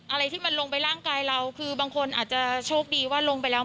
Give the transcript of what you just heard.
อะไรที่มันลงไปร่างกายเราคือบางคนอาจจะโชคดีว่าลงไปแล้ว